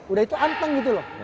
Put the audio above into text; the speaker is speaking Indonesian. udah itu anteng gitu loh